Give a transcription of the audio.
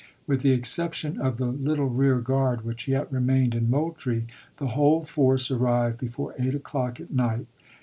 With the exception of the Anderson little rear guard which yet remained in Moul ££{&. trie, the whole force arrived before 8 o'clock at ^lseof" night.